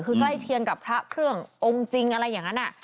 คือใกล้เคียงกับพระเครื่ององค์จริงอะไรอย่างนั้น